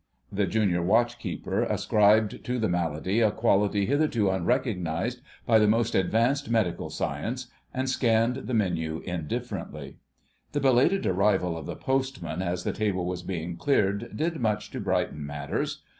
The Junior Watch keeper ascribed to the malady a quality hitherto unrecognised by the most advanced medical science, and scanned the menu indifferently. The belated arrival of the postman as the table was being cleared did much to brighten matters.